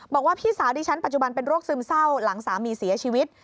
บอกว่าพี่สาวดิฉันปัจจุบันเป็นโรคซึมเศร้าหลังสามีเสียชีวิต